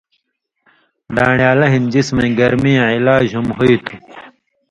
دان٘ڑیالہ ہِن جسمَیں گرمَیاں علاج ہُم ہُوئ تُھو